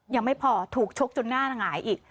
ยังไม่พอถูกชกจนหน้าหงายอีก